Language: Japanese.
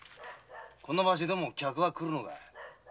こんな場所でも客は来るのかい？